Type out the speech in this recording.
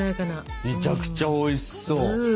めちゃくちゃおいしそう！